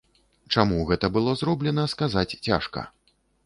Чаму гэта было зроблена, сказаць цяжка.